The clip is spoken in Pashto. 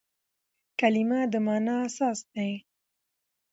کلیمه د مانا اساس دئ.